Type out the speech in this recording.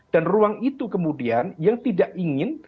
dan ruang itu kemudian yang tidak ingin